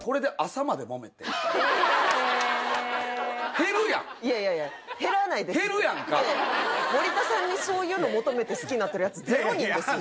減るやんいやいやいや減らないですって減るやんか森田さんにそういうの求めて好きになってるヤツゼロ人ですよ